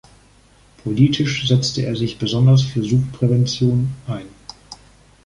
Politisch setzt er sich besonders für Suchtprävention ein.